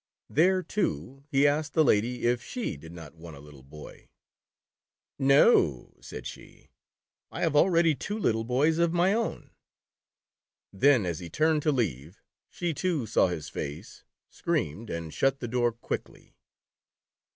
There, too, he asked the lady if sJie did not want a little boy. " No," said she, "I have already two little boys of my own." Then as he turned to leave, she too saw his face, screamed, and shut the door quickly.